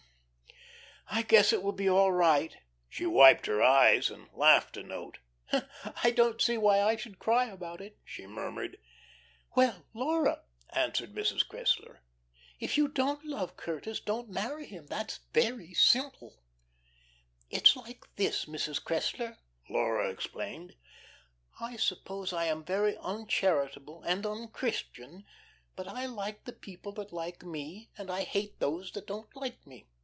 Oh, I guess it will be all right." She wiped her eyes, and laughed a note. "I don't see why I should cry about it," she murmured. "Well, Laura," answered Mrs. Cressler, "if you don't love Curtis, don't marry him. That's very simple." "It's like this, Mrs. Cressler," Laura explained. "I suppose I am very uncharitable and unchristian, but I like the people that like me, and I hate those that don't like me.